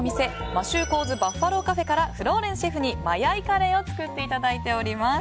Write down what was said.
マシューコウズ・バッファローカフェからフローレンスシェフにマヤイカレーを作っていただいております。